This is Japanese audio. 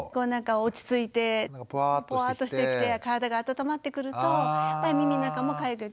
落ち着いてポワーンとしてきて体が温まってくるとやっぱり耳の中もかゆくなる。